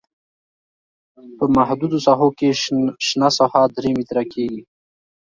په محدودو ساحو کې شنه ساحه درې متره کیږي